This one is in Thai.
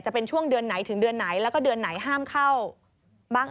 จะเป็นช่วงเดือนไหนถึงเดือนไหนแล้วก็เดือนไหนห้ามเข้าบ้าง